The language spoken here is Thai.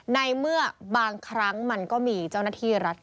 ในเมื่อบางครั้งมันก็มีเจ้าหน้าที่รัฐ